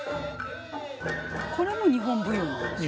これも日本舞踊なんですよね。